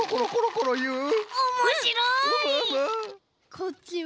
こっちは。